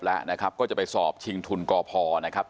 แล้วนะครับก็จะไปสอบชิงทุนกพนะครับ